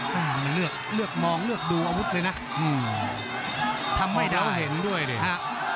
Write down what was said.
มันเลือกเลือกมองเลือกดูอาวุธเลยน่ะอืมหออกแล้วเห็นด้วยเนี่ยอ่ะ